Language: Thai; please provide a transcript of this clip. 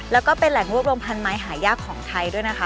แล้วก็เป็นแหล่งรวบรวมพันไม้หายากของไทยด้วยนะคะ